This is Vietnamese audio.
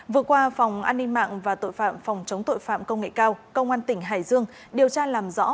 vừa qua phòng an ninh mạng và tội phạm phòng chống tội phạm công nghệ cao công an tỉnh hải dương điều tra làm rõ